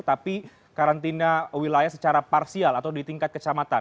tapi karantina wilayah secara parsial atau di tingkat kecamatan